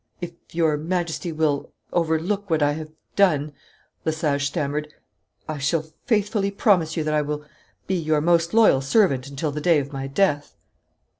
'If your Majesty will overlook what I have done,' Lesage stammered, 'I shall faithfully promise you that I will be your most loyal servant until the day of my death.'